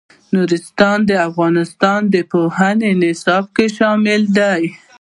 نورستان د افغانستان د پوهنې نصاب کې شامل دي.